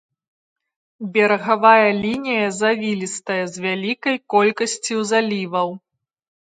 Берагавая лінія звілістая з вялікай колькасцю заліваў.